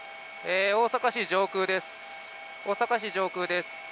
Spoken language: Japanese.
大阪市上空です。